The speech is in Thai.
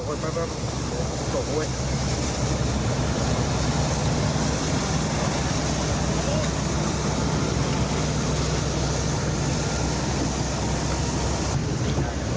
ส่งไว้ส่งไว้